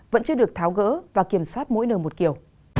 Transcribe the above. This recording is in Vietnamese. vẫn chưa được tháo gỡ và kiểm soát mỗi nơi một kiểu